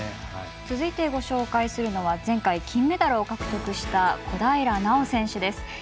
続いて、ご紹介するのは前回金メダルを獲得した小平奈緒選手です。